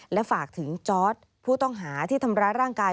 และฝากถึงจอร์ดผู้ต้องหาที่ทำร้ายร่างกาย